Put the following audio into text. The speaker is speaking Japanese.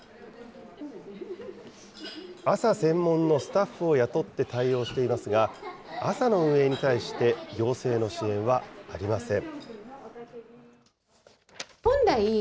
朝専門のスタッフを雇って対応していますが、朝の運営に対して行政の支援はありません。